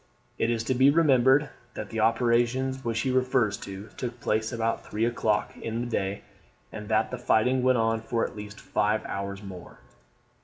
It is to be remembered that the operations which he refers to, took place about three o'clock in the day, and that the fighting went on for at least five hours more.